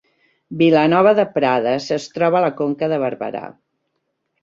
Vilanova de Prades es troba a la Conca de Barberà